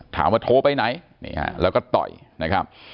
ถามว่าโทรไปไหนแล้วก็ต่อยนะครับ